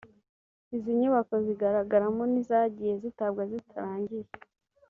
Izi nyubako zigaragaramo n’izagiye zitabwa zitarangiye